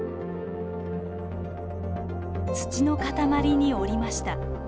土の塊に降りました。